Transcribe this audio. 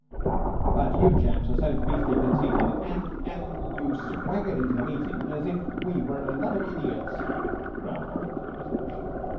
"But you chaps are so beastly conceited, an' an' you swaggered into the meetin' as if we were a lot of idiots," growled Orrin of the resolution.